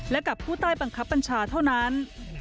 และกับผู้ใต้บังคับบัญชาเท่านั้น